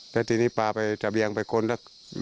แล้วทีนี้ปลาไปจะเบียงไปค้นแล้วโรงพยาบาลล่ะ